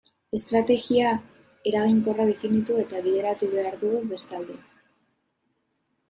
Estrategia eraginkorra definitu eta bideratu behar dugu bestalde.